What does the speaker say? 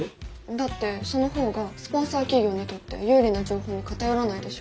だってその方がスポンサー企業にとって有利な情報に偏らないでしょ。